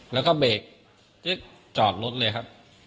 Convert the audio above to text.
แล้วก็เบรกจิ๊กจอดรถเลยครับ